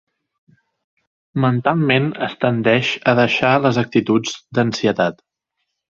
Mentalment es tendeix a deixar les actituds d'ansietat.